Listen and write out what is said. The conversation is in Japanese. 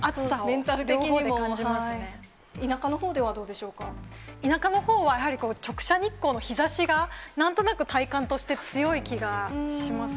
田舎のほうではどうでしょう田舎のほうはやはり直射日光の日ざしが、なんとなく体感として強い気がしますね。